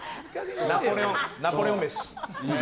ナポレオン飯。